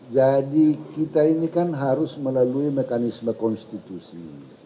jadi kita ini kan harus melalui mekanisme konstitusi